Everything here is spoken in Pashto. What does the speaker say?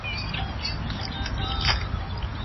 ښوونکی کیدلای سي ترټولو غوره رول ماډل وي.